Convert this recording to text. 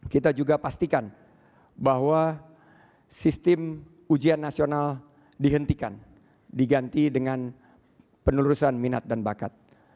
kita juga pastikan bahwa sistem ujian nasional dihentikan diganti dengan penelurusan minat dan bakat